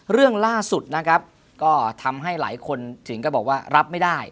เรื่องล่าสุดนะครับก็ทำให้หลายคนถึงก็บอกว่ารับไม่ได้